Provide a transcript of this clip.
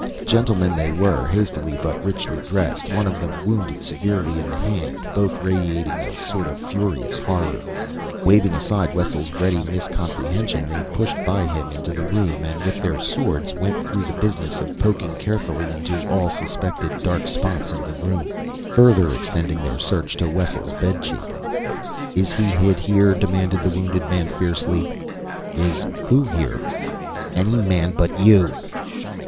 Gentlemen, they were, hastily but richly dressed one of them wounded severely in the hand, both radiating a sort of furious horror. Waving aside Wessel's ready miscomprehension, they pushed by him into the room and with their swords went through the business of poking carefully into all suspected dark spots in the room, further extending their search to Wessel's bedchamber. "Is he hid here?" demanded the wounded man fiercely. "Is who here?" "Any man but you."